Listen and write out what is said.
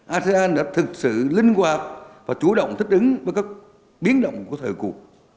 asean đã thực sự linh hoạt và chủ động thích ứng với các biến động của thời cuộc